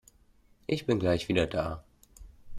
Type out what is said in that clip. Ich bin gleich wieder da.